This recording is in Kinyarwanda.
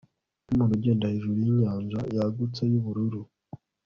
Nkumuntu ugenda hejuru yinyanja yagutse yubururu